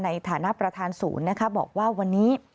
ในฐานะประธานศูนย์นะคะบอกว่าวันนี้